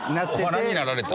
お花になられた？